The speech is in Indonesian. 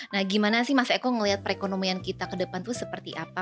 nah gimana sih mas eko melihat perekonomian kita ke depan itu seperti apa